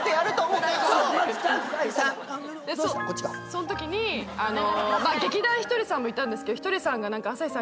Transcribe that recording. そのときに劇団ひとりさんもいたんですけどひとりさんが。